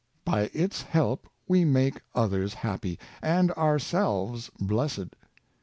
By its help we make others happy, and ourselves blessed.